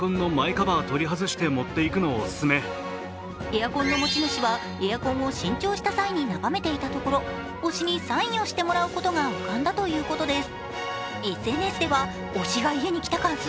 エアコンの持ち主は、エアコンを新調した際に眺めていたところ推しにサインをしてもらうことが浮かんだということです。